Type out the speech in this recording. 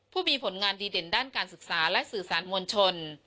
ผู้มีผลงานดีเด่นด้านการศึกษาและสื่อสารมวลชน